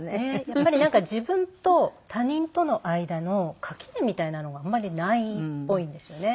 やっぱりなんか自分と他人との間の垣根みたいなのがあんまりないっぽいんですよね。